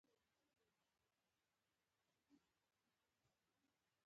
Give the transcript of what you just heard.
اخلاق د ټولنیز ژوند بنسټ دي.